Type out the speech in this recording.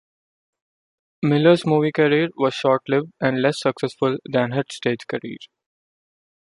Miller's movie career was short-lived and less successful than her stage career.